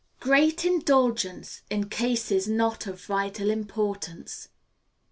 Great Indulgence in Cases not of vital Importance.